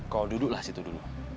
kau duduklah situ dulu